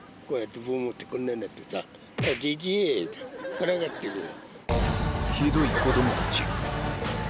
からかってくる。